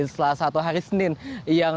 selasa atau hari senin yang